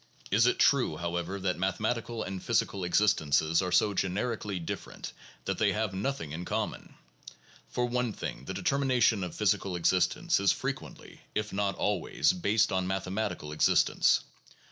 Is it true, however, that mathematical and physical existences are so generically different that they have nothing in common ? For one thing the determination of physical existence is frequently, if not always, based on mathematical existence.